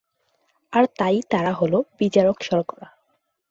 আর তাই তারা হলো বিজারক শর্করা।